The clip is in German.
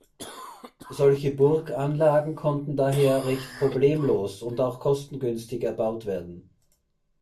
Solche Burganlagen konnten daher recht problemlos und auch kostengünstig erbaut werden.